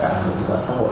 đã dịch vào xã hội